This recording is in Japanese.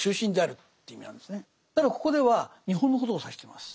ただここでは日本のことを指しています。